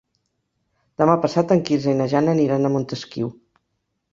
Demà passat en Quirze i na Jana aniran a Montesquiu.